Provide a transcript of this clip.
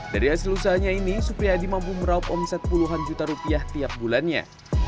dari hasil usahanya ini supriyadi mampu meraup omset puluhan juta rupiah tiap bulannya